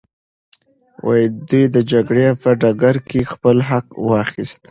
دوی د جګړې په ډګر کي خپل حق واخیست.